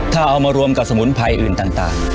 ถ้าเอามารวมกับสมุนไพรอื่นต่าง